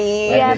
iya pengen main